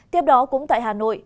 tiếp đó cũng tại hà nội